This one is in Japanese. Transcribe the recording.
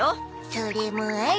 それもあり。